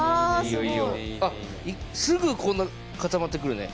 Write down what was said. すごいすぐこんな固まってくるね